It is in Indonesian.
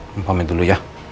mampamin dulu ya